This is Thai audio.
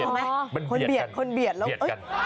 มันเบียดมันเบียดกัน